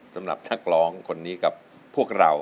สำหรับนักร้องคนนี้กับพวกเรา